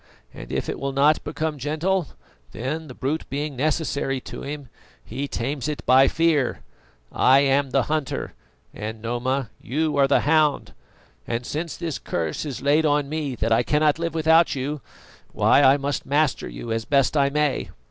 And if it will not become gentle, then, the brute being necessary to him, he tames it by fear. I am the hunter and, Noma, you are the hound; and since this curse is on me that I cannot live without you, why I must master you as best I may.